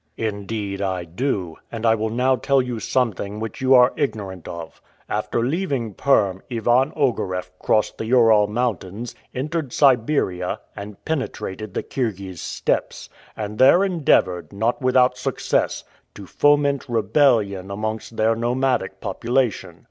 "Indeed I do; and I will now tell you something which you are ignorant of. After leaving Perm, Ivan Ogareff crossed the Ural mountains, entered Siberia, and penetrated the Kirghiz steppes, and there endeavored, not without success, to foment rebellion amongst their nomadic population.